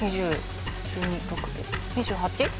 ２８？